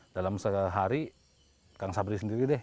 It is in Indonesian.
dalam sehari kang sabri sendiri deh